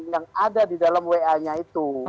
yang ada di dalam wa nya itu